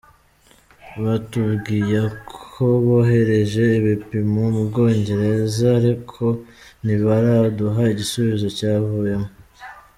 Batubwiye ko bohereje ibipimo mu Bwongereza ariko ntibaraduha igisubizo cyavuyemo.